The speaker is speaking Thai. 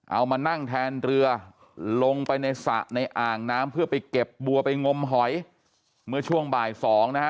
เอามานั่งแทนเรือลงไปในสระในอ่างน้ำเพื่อไปเก็บบัวไปงมหอยเมื่อช่วงบ่ายสองนะฮะ